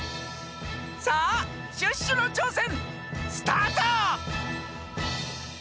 さあシュッシュのちょうせんスタート！